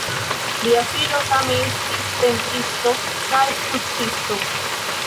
Lia filo same estis pentristo kaj skulptisto.